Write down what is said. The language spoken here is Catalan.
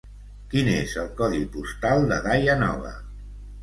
Quin és el codi postal de Daia Nova?